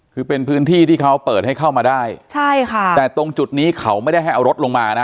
คือเป็นพื้นที่ที่เขาเปิดให้เข้ามาได้ใช่ค่ะแต่ตรงจุดนี้เขาไม่ได้ให้เอารถลงมานะ